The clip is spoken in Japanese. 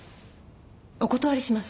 お断りします。